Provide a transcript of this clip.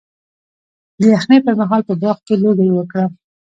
د یخنۍ پر مهال په باغ کې لوګی وکړم؟